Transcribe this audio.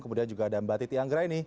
kemudian juga ada mbak titiang